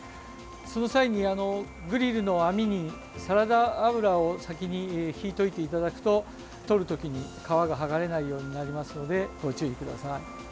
その際にグリルの網にサラダ油を先にひいておいていただくととる時に皮が剥がれないようになりますのでご注意ください。